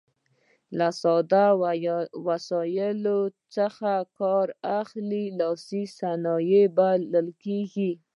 له ساده وسایلو څخه کار اخلي لاسي صنایع بلل کیږي.